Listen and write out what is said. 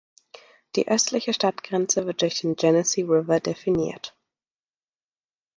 Die östliche Stadtgrenze wird durch den Genesee River definiert.